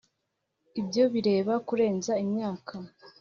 ibyo bireba kurenza imyaka